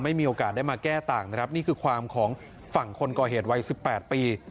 มีโอกาสได้มาแก้ต่างนะครับนี่คือความของฝั่งคนก่อเหตุวัย๑๘ปี